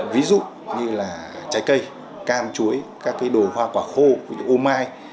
ví dụ như là trái cây cam chuối các cái đồ hoa quả khô ô mai